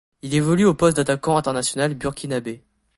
Il évolue au poste d'attaquant international burkinabé.